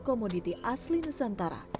komoditi asli nusantara